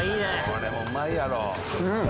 これもううまいやろうん！